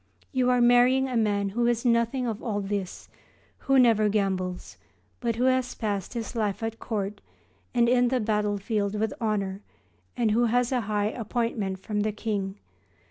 You are marrying a man who is nothing of all this, who never gambles, but who has passed his life at court and in the battlefield with honour and who has a high appointment from the King.